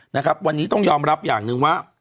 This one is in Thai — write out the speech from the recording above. นะครับวันนี้ต้องยอมรับอย่างหนึ่งว่า